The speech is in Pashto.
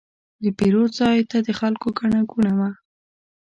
د پیرود ځای ته د خلکو ګڼه ګوڼه وه.